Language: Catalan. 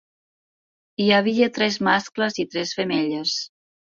Hi havia tres mascles i tres femelles.